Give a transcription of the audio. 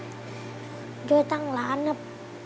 ด้วยสร้างร้านครับ